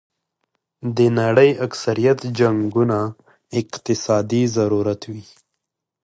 د نړۍ اکثریت جنګونه اقتصادي ضرورت وي.